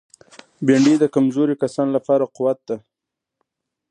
بېنډۍ د کمزوري کسانو لپاره قوت ده